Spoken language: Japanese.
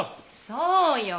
そうよ！